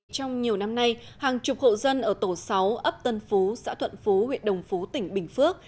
trong nhiều năm nay hàng chục hộ dân ở tổ sáu ấp tân phú xã thuận phú huyện đồng phú tỉnh bình phước